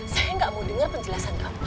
saya nggak mau dengar penjelasan kamu